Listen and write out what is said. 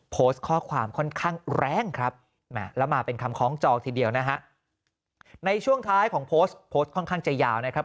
โพสต์ข้อความค่อนข้างแรงครับแล้วมาเป็นคำคล้องจองทีเดียวนะฮะในช่วงท้ายของโพสต์โพสต์ค่อนข้างจะยาวนะครับ